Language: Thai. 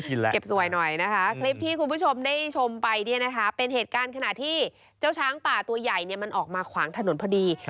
เก็บสวยหน่อยนะคะคลิปที่คุณผู้ชมได้ชมไปเนี่ยนะคะเป็นเหตุการณ์ขณะที่เจ้าช้างป่าตัวใหญ่เนี่ยมันออกมาขวางถนนพอดี